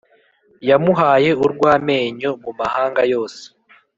Yamuhaye urwamenyo mu mahanga yose